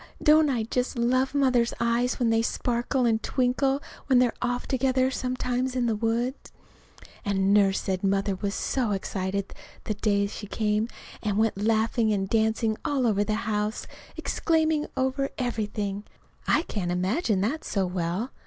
Don't I just love Mother's eyes when they sparkle and twinkle when we're off together sometimes in the woods?) And Nurse said Mother was so excited the day she came, and went laughing and dancing all over the house, exclaiming over everything. (I can't imagine that so well.